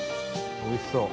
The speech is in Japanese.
おいしそう。